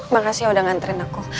makasih udah nganterin aku